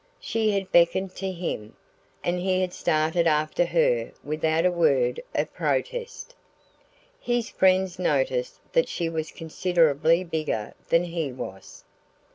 She had beckoned to him. And he had started after her without a word of protest. His friends noticed that she was considerably bigger than he was.